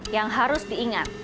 yang harus diingat